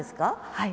はい。